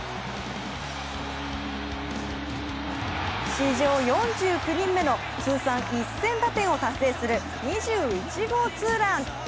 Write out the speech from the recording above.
史上４９人目の通算１０００打点を達成する２１号ツーラン。